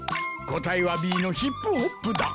答えはＢのヒップホップだ。